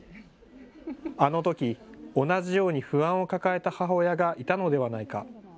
あのとき同じように不安を抱えた母親がいたのではないか。